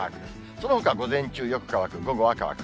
そのほか午前中よく乾く、午後は乾く。